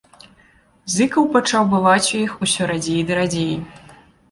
Зыкаў пачаў бываць у іх усё радзей ды радзей.